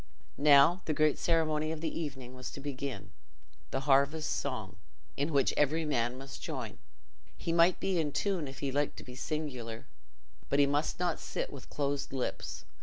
Now, the great ceremony of the evening was to begin—the harvest song, in which every man must join. He might be in tune, if he liked to be singular, but he must not sit with closed lips.